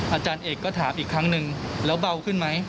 อาจารย์เอกก็ถามอีกครั้งหนึ่งแล้วเบาขึ้นไหม